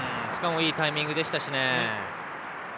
いいタイミングでしたしね。